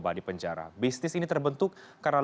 langsung tetap seperti ayunan sekarang